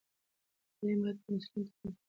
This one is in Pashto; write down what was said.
تعلیم باید د نسلونو ترمنځ پیوستون برقرار وساتي.